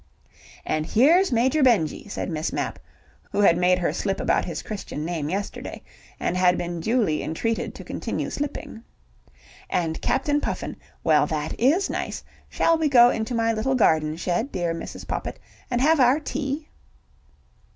"And here's Major Benjy," said Miss Mapp, who had made her slip about his Christian name yesterday, and had been duly entreated to continue slipping. "And Captain Puffin. Well, that is nice! Shall we go into my little garden shed, dear Mrs. Poppit, and have our tea?"